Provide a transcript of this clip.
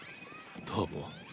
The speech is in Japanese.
どうも。